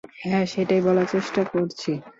হ্যাঁ, সেটাই বলার চেষ্টা করছি।